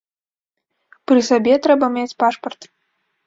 Пры сабе трэба мець пашпарт.